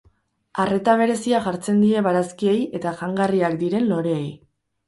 Arreta berezia jartzen die barazkiei eta jangarriak diren loreei.